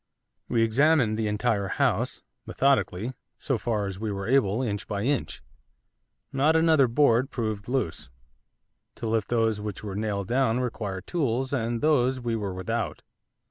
We examined the entire house, methodically, so far as we were able, inch by inch. Not another board proved loose, to lift those which were nailed down required tools, and those we were without.